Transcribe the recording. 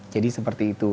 jadi seperti itu